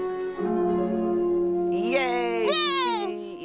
イエーイ！